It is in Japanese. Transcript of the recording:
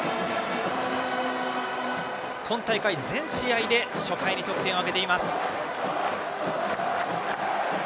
今大会、全試合で初回に得点を挙げています。